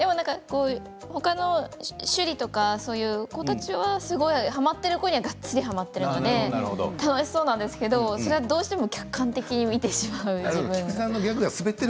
他の趣里とかそういう子たちははまっている子にはがっつりとはまっているので楽しそうなんですけれどそれをどうしても客観的に見てしまう自分がいて。